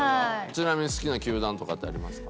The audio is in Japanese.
ちなみに好きな球団とかってありますか？